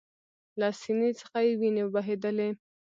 له سینې څخه یې ویني بهېدلې